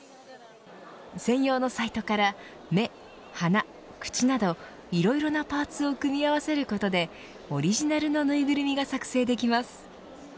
専用のサイトから目、鼻、口などいろいろなパーツを組み合わせることでオリジナルの縫いぐるみが作成できます。